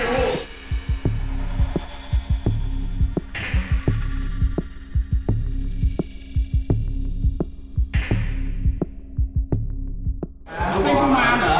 กลับไปกัน